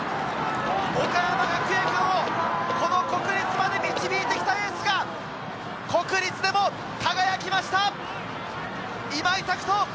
岡山学芸館をこの国立まで導いてきたエースが、国立でも輝きました！